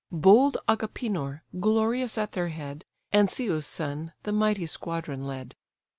Bold Agapenor, glorious at their head, (Ancæus' son) the mighty squadron led.